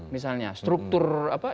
misalnya struktur apa